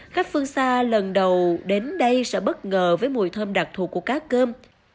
các phương xa lần đầu đến đây sẽ bất ngờ với mùi thơm đặc thụ của cá cơm